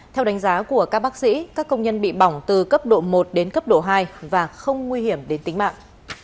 theo đánh giá của các bác sĩ các công nhân bị bỏng từ cấp độ một đến cấp độ hai và không nguy hiểm đến tính mạng